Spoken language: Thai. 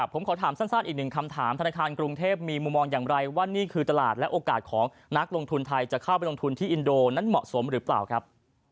ผมขอถามสั้นอีกหนึ่งคำถามธนาคารกรุงเทพมีมุมมองอย่างไรว่านี่คือตลาดและโอกาสของนักลงทุนไทยจะเข้าไปลงทุนที่อินโดนั้นเหมาะสมหรือเปล่าครับ